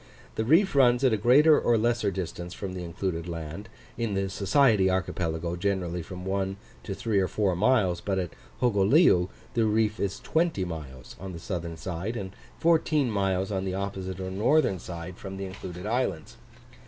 The reef runs at a greater or less distance from the included land; in the Society archipelago generally from one to three or four miles; but at Hogoleu the reef is 20 miles on the southern side, and 14 miles on the opposite or northern side, from the included islands.